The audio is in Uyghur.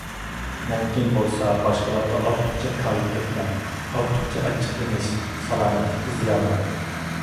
مۇمكىن بولسا باشقىلارغا ئارتۇقچە كايىپ كەتمەڭ. ئارتۇقچە ئاچچىقلىنىش سالامەتلىككە زىيانلىق.